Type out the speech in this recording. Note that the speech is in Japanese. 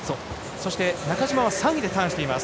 そして中島は３位でターンしています。